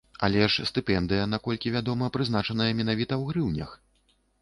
Але ж стыпендыя, наколькі вядома, прызначаная менавіта ў грыўнях?